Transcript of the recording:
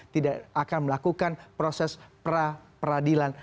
tidak akan melakukan proses pra peradilan